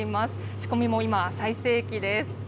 仕込みも今、最盛期です。